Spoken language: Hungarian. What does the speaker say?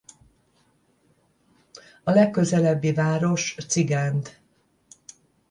A legközelebbi város Cigánd.